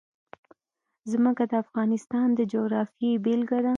ځمکه د افغانستان د جغرافیې بېلګه ده.